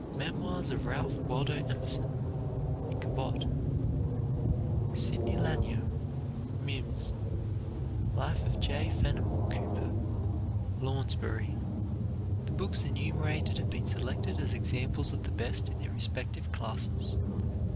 "Memoirs of Ralph Waldo Emerson," Cabot. "Sidney Lanier," Mims. "Life of J. Fenimore Cooper," Lounsbury. The books enumerated have been selected as examples of the best in their respective classes.